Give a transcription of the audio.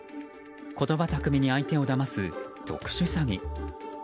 言葉巧みに相手をだます特殊詐欺。